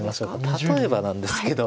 例えばなんですけど。